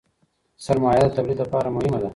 سرمایه د تولید لپاره مهمه ده.